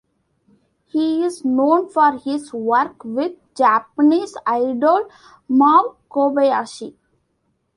He is known for his work with Japanese idol Mao Kobayashi.